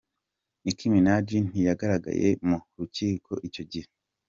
Nicki Minaj ntiyagaragaye mu rukiko icyo gihe.